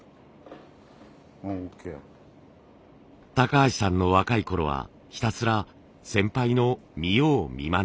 橋さんの若いころはひたすら先輩の見よう見まね。